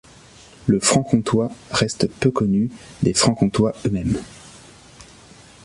Le franc-comtois reste peu connu des Franc-Comtois eux-mêmes.